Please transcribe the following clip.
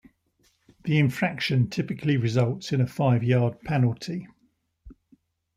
The infraction typically results in a five-yard penalty.